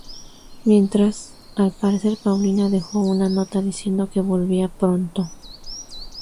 Mientras, al parecer Paulina dejó una nota diciendo que volvía pronto.